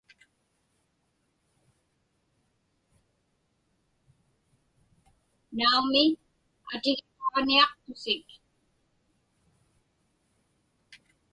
Naumi, atigiqaġniaqtusik.